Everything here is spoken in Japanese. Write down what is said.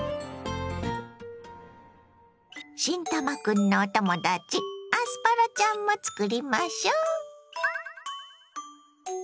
新たまクンのお友だちアスパラちゃんも作りましょ。